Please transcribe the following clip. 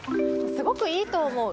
すごくいいと思う。